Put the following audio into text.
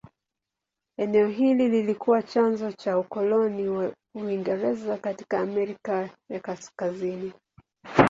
Eneo hili lilikuwa chanzo cha ukoloni wa Uingereza katika Amerika ya Kaskazini.